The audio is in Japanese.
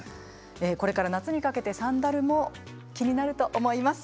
これから夏にかけてサンダルも気になると思います。